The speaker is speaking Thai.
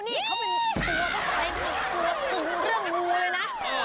นี่เขาเป็นตัวตึงเรื่องมูเลยนะ